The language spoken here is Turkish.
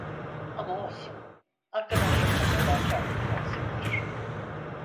Ama olsun, arkadaşlıkta fedakârlık lazımdır!